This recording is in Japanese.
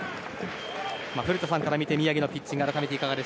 古田さんから見て宮城のピッチング